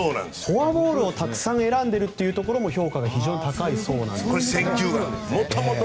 フォアボールをたくさん選んでいるところも評価が非常に高いそうなんです。